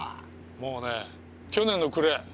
もうね去年の暮れ。